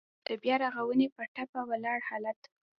د بيا رغونې په ټپه ولاړ حالات.